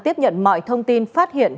tiếp nhận mọi thông tin phát hiện